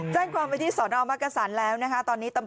แจ้งความเพื่อที่สอนออกมาก็สั่นแล้วนะครับ